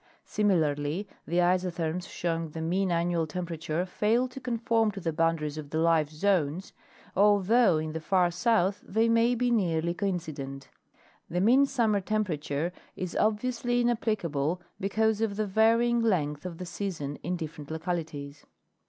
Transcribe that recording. Similarly, the isotherms showing the mean annual temperature fail to con form to the boundaries of the life zones, although in the far south they may be nearly coincident. The mean summer temperature is obviously inapplicable because of the varying length of the season in different localities.